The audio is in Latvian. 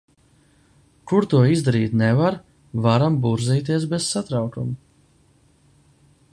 Kur to izdarīt nevar, varam burzīties bez satraukuma.